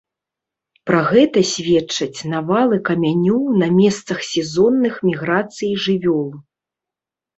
Пра гэта сведчаць навалы камянёў на месцах сезонных міграцый жывёл.